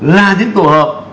là những tổ hợp